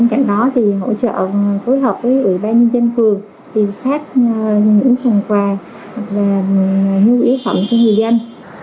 hoặc là nhu yếu phẩm cho người dân